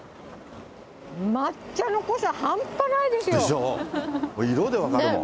抹茶の濃さ、半端ないですよ。